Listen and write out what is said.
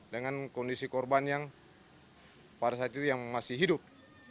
dengan kondisi korban yang pada saat itu yang masih hidup